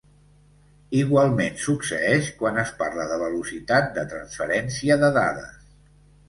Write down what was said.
Igualment succeeix quan es parla de velocitat de transferència de dades.